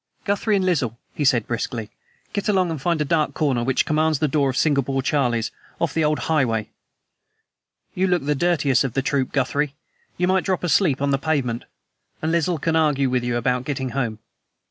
"Guthrie and Lisle," he said briskly, "get along and find a dark corner which commands the door of Singapore Charlie's off the old Highway. You look the dirtiest of the troupe, Guthrie; you might drop asleep on the pavement, and Lisle can argue with you about getting home.